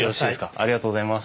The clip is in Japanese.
ありがとうございます。